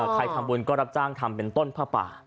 ใครทำบุญก็รับจ้างทำเป็นต้นผ้าป่า